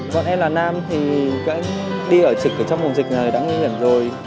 bọn em là nam thì đi ở trực trong mùa dịch này đã nhiều lần rồi